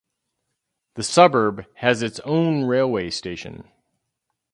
The suburb has its own railway station.